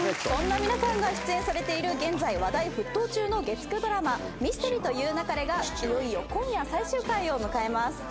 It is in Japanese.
そんな皆さんが出演されてる現在話題沸騰中の月９ドラマ『ミステリと言う勿れ』がいよいよ今夜最終回を迎えます。